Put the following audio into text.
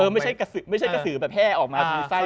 เออไม่ใช่กะสือแบบแพร่ออกมาดูใส่